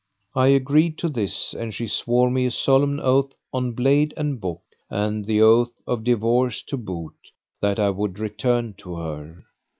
I agreed to this, and she swore me a solemn oath on Blade and Book,[FN#535] and the oath of divorce to boot, that I would return to her.